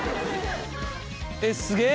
えっすげえ！